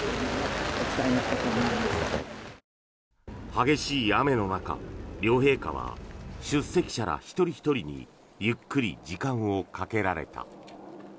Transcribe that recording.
激しい雨の中、両陛下は出席者ら一人ひとりにゆっくり時間をかけられた。